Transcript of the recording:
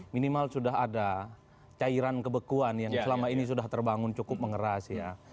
minimal sudah ada cairan kebekuan yang selama ini sudah terbangun cukup mengeras ya